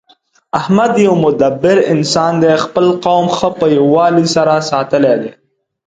احمد یو مدبر انسان دی. خپل قوم ښه په یووالي سره ساتلی دی